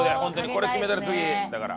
これ決めたら次だから。